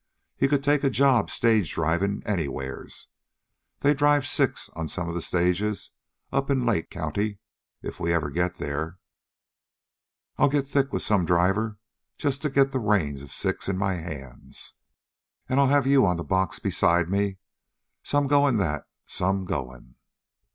He could take a job stage drivin' anywheres. They drive six on some of the stages up in Lake County. If we ever get there, I'll get thick with some driver, just to get the reins of six in my hands. An' I'll have you on the box beside me. Some goin' that! Some goin'!"